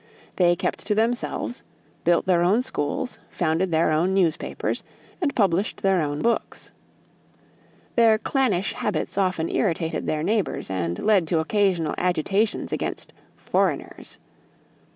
They kept to themselves, built their own schools, founded their own newspapers, and published their own books. Their clannish habits often irritated their neighbors and led to occasional agitations against "foreigners."